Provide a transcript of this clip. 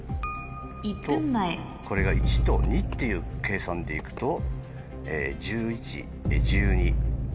１分前これが１と２っていう計算で行くと１１１２。